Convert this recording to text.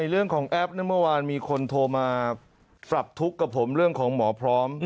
เรื่องของแอปเมื่อวานมีคนโทรมาปรับทุกข์กับผมเรื่องของหมอพร้อม